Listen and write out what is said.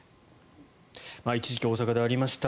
一時期、大阪でありました